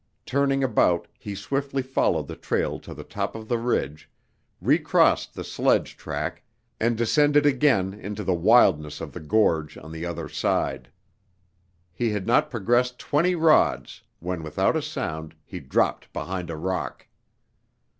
Turning about he swiftly followed the trail to the top of the ridge, recrossed the sledge track, and descended again into the wildness of the gorge on the other side. He had not progressed twenty rods when without a sound he dropped behind a rock.